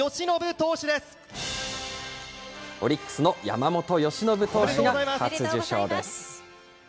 オリックスの山本由伸投手が初受賞です。